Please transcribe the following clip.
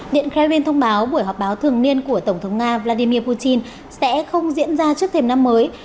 điện krem thông báo buổi họp báo thường niên của tổng thống nga vladimir putin sẽ không diễn ra trước thềm năm mới